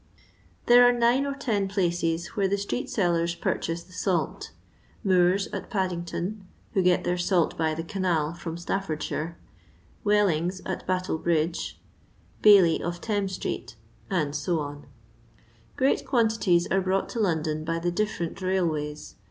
There are nine or ten pbioes where the street sellers purchase the salt :— ^Moore's, at Paddington, who get their salt by the canal, firom Stafibrdshire; Welling's, at Battle bridge ; Baillie, of Thames street, &c Great quantities are brought to London by the different railways.